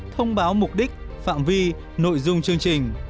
thông báo mục đích phạm vi nội dung chương trình